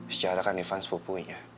secara kan divans pupunya